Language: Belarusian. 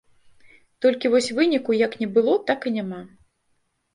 Толькі вось выніку як не было, так і няма.